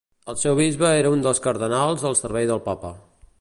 El seu bisbe era un dels cardenals al servei del Papa.